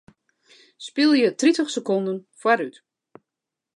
Spylje tritich sekonden foarút.